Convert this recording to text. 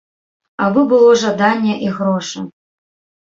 Абы было жаданне і грошы.